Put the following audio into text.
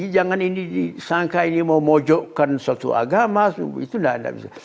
jangan ini disangka ini mau mojokkan suatu agama itu tidak bisa